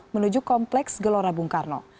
menuju kompleks gelora bung karno